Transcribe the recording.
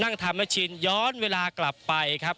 นั่นก็คือจังหวัดกำแพงเพชรนะครับ